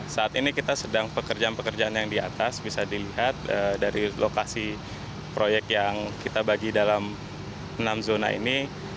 saat ini kita sedang pekerjaan pekerjaan yang di atas bisa dilihat dari lokasi proyek yang kita bagi dalam enam zona ini